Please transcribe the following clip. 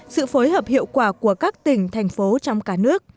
sự phối hợp hiệu quả của các tỉnh thành phố trong cả nước